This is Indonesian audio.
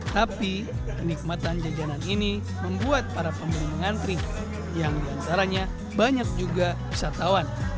tapi kenikmatan jajanan ini membuat para pembeli mengantri yang diantaranya banyak juga wisatawan